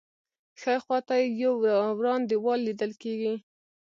ښی خوا ته یې یو وران دیوال لیدل کېږي.